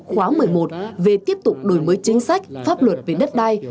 khóa một mươi một về tiếp tục đổi mới chính sách pháp luật về đất đai